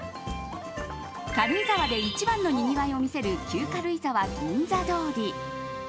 軽井沢で一番のにぎわいを見せる旧軽井沢銀座通り。